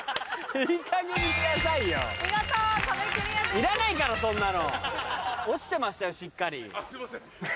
いらないからそんなの。オチてましたよしっかり。